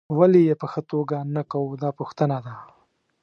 ولې یې په ښه توګه نه کوو دا پوښتنه ده.